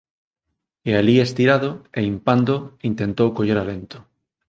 E alí estirado e impando intentou coller alento.